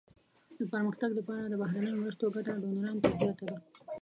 د پرمختګ لپاره د بهرنیو مرستو ګټه ډونرانو ته زیاته ده.